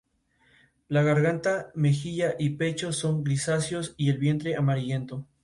Sin embargo, Index tiene el modo Pluma de Juan, una segunda personalidad.